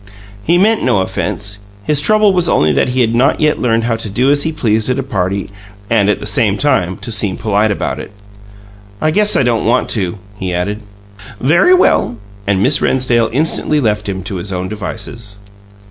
He meant no offence; his trouble was only that he had not yet learned how to do as he pleased at a party and, at the same time, to seem polite about it. "I guess I don't want to," he added. "Very well!" And Miss Rennsdale instantly left him to his own devices.